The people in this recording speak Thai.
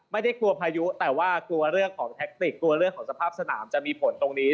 ไม่ได้กลัวพายุแต่ว่ากลัวเรื่องของแท็กติกกลัวเรื่องของสภาพสนามจะมีผลตรงนี้